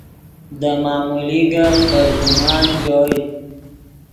دے معمولی گپ بد گمان چوئے